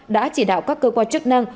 đã chỉ đạo các cơ quan chức năng